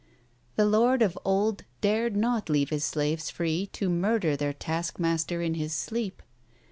The lord of old dared not leave his slaves free to murder their taskmaster in his sleep.